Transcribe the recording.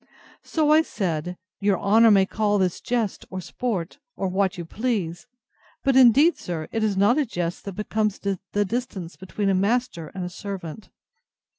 So I said, Your honour may call this jest or sport, or what you please; but indeed, sir, it is not a jest that becomes the distance between a master and a servant.